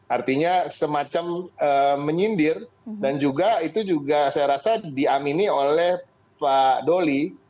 artinya semacam menyindir dan juga itu juga saya rasa diamini oleh pak doli